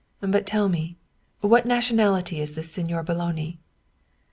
But tell me, what nationality is this Signer Boloni?"